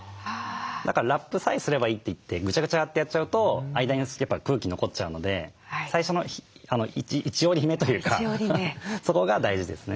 だからラップさえすればいいといってぐちゃぐちゃってやっちゃうと間に空気残っちゃうので最初の一折り目というかそこが大事ですね。